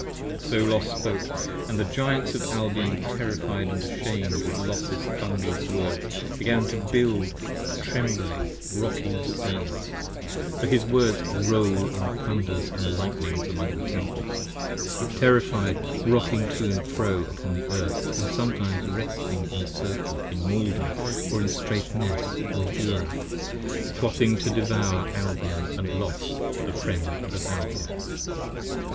So Los spoke. And the Giants of Albion terrified & ashamed With Los's thunderous Words, began to build trembling rocking Stones, 112 60 For his Words roll in thunders & lightnings among the Temples, Terrified rocking to & fro upon the earth, & sometimes Resting in a Circle in Maiden or in Straithness or Dura, Plotting to devour Albion & Los the friend of Albion.